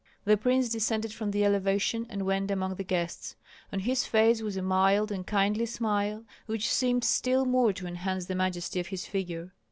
The prince descended from the elevation, and went among the guests. On his face was a mild and kindly smile, which seemed still more to enhance the majesty of his figure.